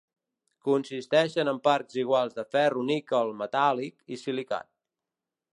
Consisteixen en parts iguals de ferro-níquel metàl·lic i silicat.